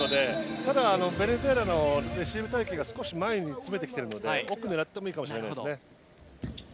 ただ、ベネズエラのレシーブ隊形が少し前に詰めてきているので奥を狙ってもいいかもしれないですね。